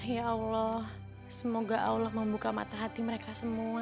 ya allah semoga allah membuka mata hati mereka semua